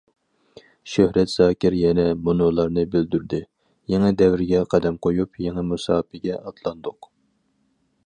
شۆھرەت زاكىر يەنە مۇنۇلارنى بىلدۈردى: يېڭى دەۋرگە قەدەم قويۇپ، يېڭى مۇساپىگە ئاتلاندۇق.